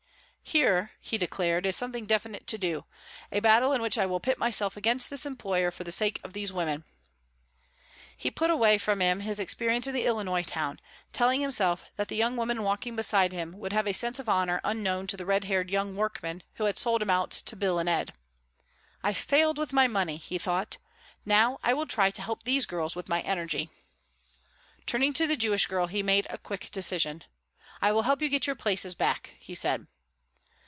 "Here," he declared, "is something definite to do, a battle in which I will pit myself against this employer for the sake of these women." He put away from him his experience in the Illinois town, telling himself that the young woman walking beside him would have a sense of honour unknown to the red haired young workman who had sold him out to Bill and Ed. "I failed with my money," he thought, "now I will try to help these girls with my energy." Turning to the Jewish girl he made a quick decision. "I will help you get your places back," he said.